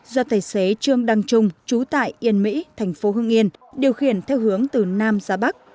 do tài xế trương đăng trung trú tại yên mỹ thành phố hưng yên điều khiển theo hướng từ nam ra bắc